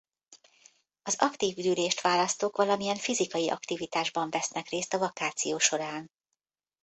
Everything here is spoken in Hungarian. Az aktív üdülést választók valamilyen fizikai aktivitásban vesznek részt a vakáció során.